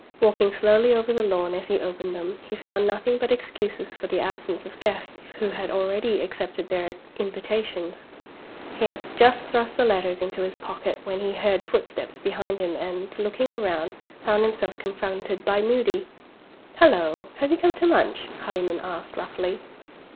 Walking slowly over the lawn as he opened them, he found nothing but excuses for the absence of guests who had already accepted their invitations. He had just thrust the letters into his pocket, when he heard footsteps behind him, and, looking round, found himself confronted by Moody. "Hullo! have you come to lunch?" Hardyman asked, roughly.